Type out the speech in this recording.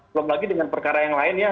belum lagi dengan perkara yang lain ya